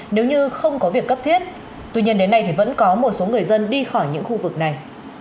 nếu như không có việc cấp thiết tuy nhiên đến nay thì vẫn có một số người dân đi khỏi những khu vực này